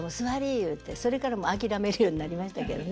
言うてそれから諦めるようになりましたけどね。